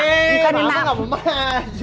loh mak nggak mau maju